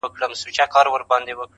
له عطاره یې عطرونه رانیوله.!